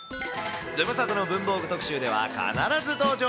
ズムサタの文房具特集では、必ず登場。